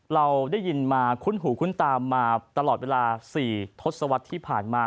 เราได้ยินมาคุ้นหูคุ้นตามาตลอดเวลา๔ทศวรรษที่ผ่านมา